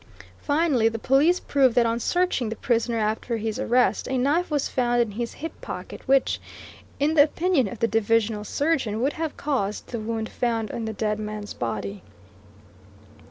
Finally, the police proved that on searching the prisoner after his arrest, a knife was found in his hip pocket which, in the opinion of the divisional surgeon, would have caused the wound found in the dead man's body.